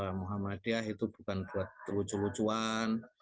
muhammadiyah itu bukan buat lucu lucuan